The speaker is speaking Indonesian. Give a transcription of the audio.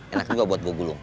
enak juga buat gue gulung